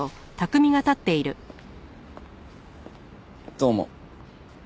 どうも。